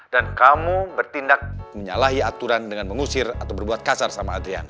dan kamu bertindak menyalahi aturan dengan mengusir atau berbuat kasar sama adriana